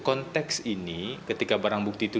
konteks ini ketika barang bukti itu